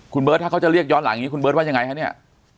คุณเบิร์ตถ้าเขาจะเรียกย้อนหลังอย่างนี้คุณเบิร์ตว่ายังไงคะเนี่ย